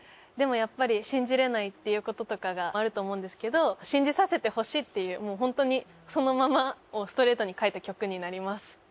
でもやっぱり信じられないっていうこととかがあると思うんですけど信じさせてほしいっていうホントにそのままをストレートに書いた曲になります。